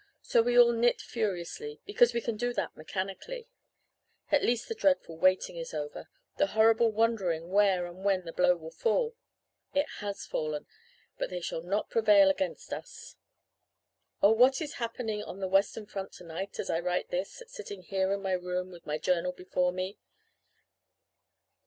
So we all knit furiously, because we can do that mechanically. At least the dreadful waiting is over the horrible wondering where and when the blow will fall. It has fallen but they shall not prevail against us! "Oh, what is happening on the western front tonight as I write this, sitting here in my room with my journal before me?